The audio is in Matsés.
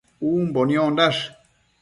Umbo niondash